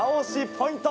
ポイント。